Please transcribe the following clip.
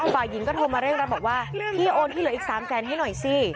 ฝ่ายหญิงก็โทรมาเร่งรัดบอกว่าพี่โอนที่เหลืออีก๓แสนให้หน่อยสิ